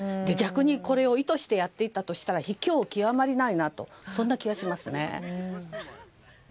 逆に、これを意図してやっていたとしたら卑怯極まりないとそんな気がしますね。